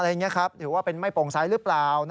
หรือว่าเป็นไม่โปร่งใสหรือเปล่า